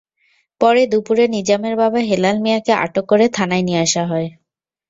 পরে দুপুরে নিজামের বাবা হেলাল মিয়াকে আটক করে থানায় নিয়ে আসা হয়।